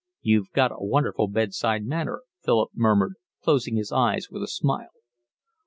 "You've got a wonderful bed side manner," Philip murmured, closing his eyes with a smile.